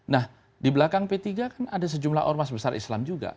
nah di belakang p tiga kan ada sejumlah ormas besar islam juga